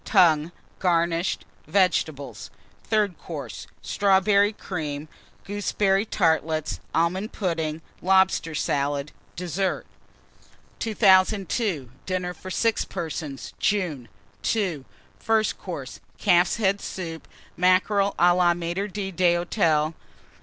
Tongue, garnished. Vegetables. THIRD COURSE. Strawberry Cream. Gooseberry Tartlets. Almond Pudding. Lobster Salad. DESSERT. 2002. DINNER FOR 6 PERSONS (JUNE). II. FIRST COURSE. Calf's Head Soup. Mackerel à la Maître d'Hôtel.